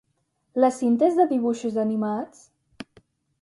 La cinta és de dibuixos animats?